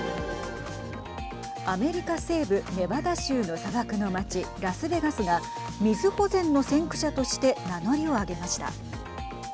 アメリカ西部ネバダ州の砂漠の町ラスベガスが水保全の先駆者として名乗りを上げました。